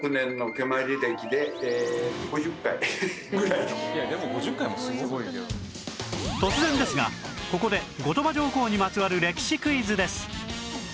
「いやでも５０回もすごい」突然ですがここで後鳥羽上皇にまつわる歴史クイズです